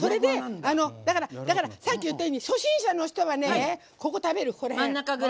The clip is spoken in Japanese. だから、さっき言ったように初心者の人はここ食べる。